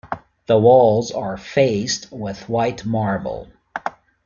The walls are faced with white marble.